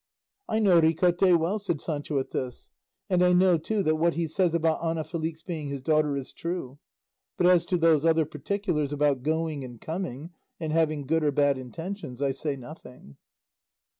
"I know Ricote well," said Sancho at this, "and I know too that what he says about Ana Felix being his daughter is true; but as to those other particulars about going and coming, and having good or bad intentions, I say nothing."